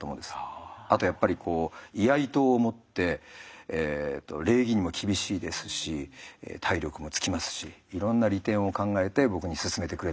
あとやっぱりこう居合刀を持って礼儀にも厳しいですし体力もつきますしいろんな利点を考えて僕に勧めてくれたんだと思います。